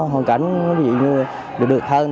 hoàn cảnh như được thân